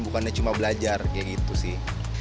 bukannya cuma belajar kayak gitu sih